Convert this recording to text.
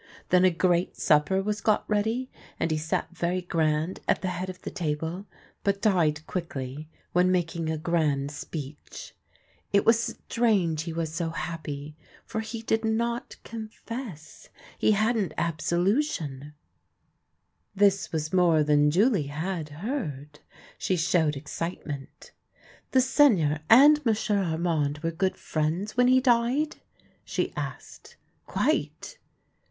Then a great supper was got ready, and he sat very grand at the head of the table, but died quickly, when making a grand speech. It was strange he was so happy, for he did not confess — he hadn't absolution !" 214 THE LANE THAT HAD NO TURNING This was more than JuHe had heard. She showed excitement. " The Seigneur and M'sieu' Armand were good friends when he died? "' she asked. " Quite."